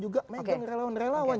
jadi mereka relawan relawan